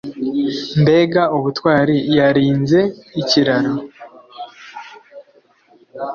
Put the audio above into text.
Mbega ubutwari yarinze ikiraro